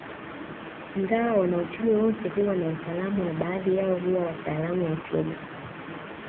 Ingawa wanauchumi wote huwa na utaalamu na baadhi yao huwa wataalamu wa uchumi